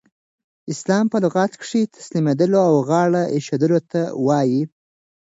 اسلام په لغت کښي تسلیمېدلو او غاړه ایښودلو ته وايي.